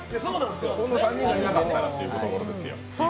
この３人じゃなかったらということですよ。